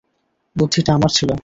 বুদ্ধিটা আমার ছিল!